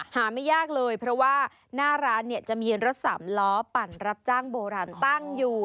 ไม่ยากเลยเพราะว่าหน้าร้านเนี่ยจะมีรถสามล้อปั่นรับจ้างโบราณตั้งอยู่